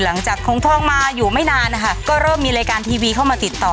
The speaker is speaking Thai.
หลังจากคงทองมาอยู่ไม่นานนะคะก็เริ่มมีรายการทีวีเข้ามาติดต่อ